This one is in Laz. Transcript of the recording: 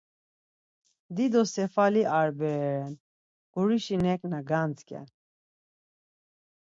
Dido sefali ar bere ren, gurişi neǩna gantzǩen.